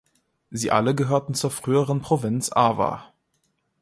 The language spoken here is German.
Sie alle gehörten zur früheren Provinz Awa.